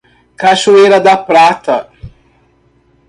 Cachoeira da Prata